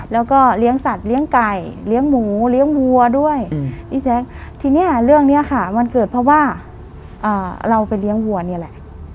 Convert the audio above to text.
แล้วก็เลี้ยงสัตว์เลี้ยงไก่เลี้ยงหมูเลี้ยงวัวด้วยพี่แจ๊คทีนี้เรื่องนี้ค่ะมันเกิดเพราะว่าเราไปเลี้ยงวัวนี่แหละ